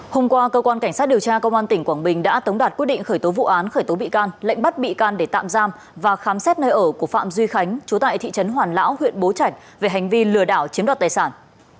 hôm qua cơ quan cảnh sát điều tra công an tỉnh quảng bình đã tống đạt quyết định khởi tố vụ án khởi tố bị can lệnh bắt bị can để tạm giam và khám xét nơi ở của phạm duy khánh chú tại thị trấn hoàn lão huyện bố trạch về hành vi lừa đảo chiếm đoạt tài sản